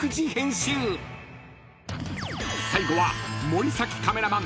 ［最後は］